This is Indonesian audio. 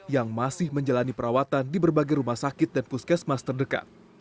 yang masih menjalani perawatan di berbagai rumah sakit dan puskesmas terdekat